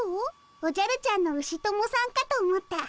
おじゃるちゃんのウシ友さんかと思った。